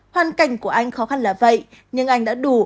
hoàn cảnh của anh khó khăn là vậy nhưng anh đã đủ và biết dừng đúng lúc